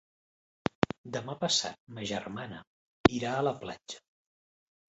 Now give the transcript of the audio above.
Demà passat ma germana irà a la platja.